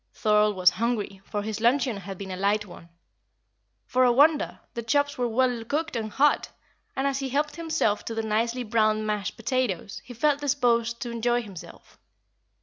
Thorold was hungry, for his luncheon had been a light one. For a wonder, the chops were well cooked and hot; and as he helped himself to the nicely browned mashed potatoes, he felt disposed to enjoy himself.